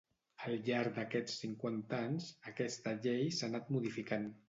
Al llarg d'aquests cinquanta anys, aquesta llei s'ha anat modificant.